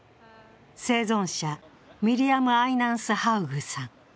生存者、ミリアム・アイナンスハウグさん。